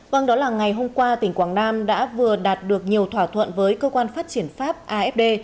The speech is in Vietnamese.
vâng đó là ngày hôm qua tỉnh quảng nam đã vừa đạt được nhiều thỏa thuận với cơ quan phát triển pháp afd